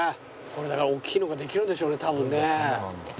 だから大きいのができるんでしょうね多分ね。